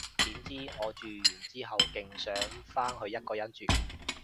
點知，我住完之後勁想返去一個人住